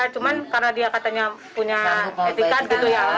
cuma karena dia katanya punya etikat gitu ya